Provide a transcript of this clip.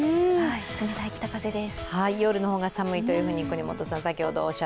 冷たい北風です。